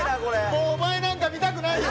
もうお前なんか見たくないよ！